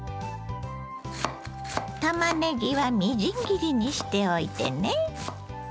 たまねぎはみじん切りにしておいてね。